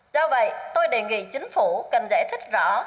do vậy tôi đề nghị chính phủ cần giải thích rõ